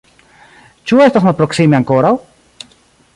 Ĉu estas malproksime ankoraŭ?